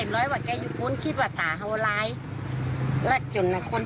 อ๋อลาไปพอแล้วหรอ